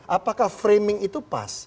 apakah framing itu pas